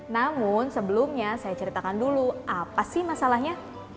namun sebelumnya saya ceritakan dulu apa sih masalahnya